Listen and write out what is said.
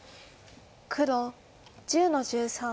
黒１０の十三。